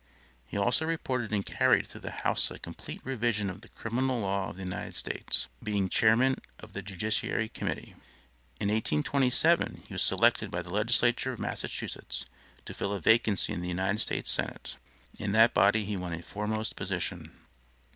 He also reported and carried through the house a complete revision of the criminal law of the United States, being chairman of the judiciary committee. In 1827 he was selected by the legislature of Massachusetts to fill a vacancy in the United States senate. In that body he won a foremost position.